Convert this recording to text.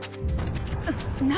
何？